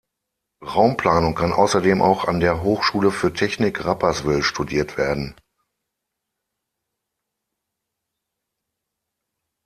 Raumplanung kann außerdem auch an der Hochschule für Technik Rapperswil studiert werden.